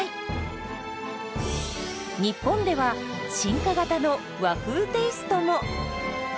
日本では進化型の和風テイストも！